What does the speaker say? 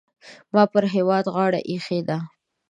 ما پر هېواد غاړه اېښې ده.